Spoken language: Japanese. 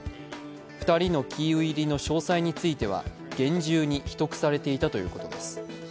２人のキーウ入りの詳細については厳重に秘匿されていたということです。